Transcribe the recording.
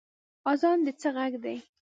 اذان د څه غږ دی؟